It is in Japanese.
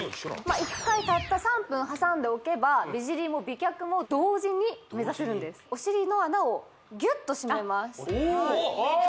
１回たった３分挟んでおけば美尻も美脚も同時に目指せるんですお尻の穴をギュッとしめますおっ！